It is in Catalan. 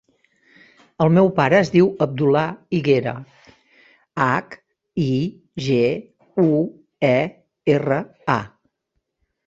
El meu pare es diu Abdullah Higuera: hac, i, ge, u, e, erra, a.